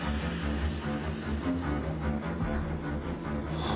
あっ。